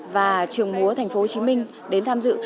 và trường múa thành phố hồ chí minh đến tham dự